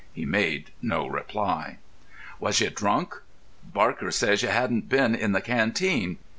He made no reply. "Was you drunk? Barker says you hadn't been in the canteen.